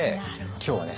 今日はね